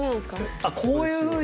あっこういうふうに。